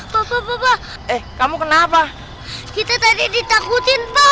bapak bapak eh kamu kenapa kita tadi ditakutin pak